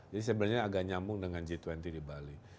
jadi sebenarnya agak nyambung dengan g dua puluh di bali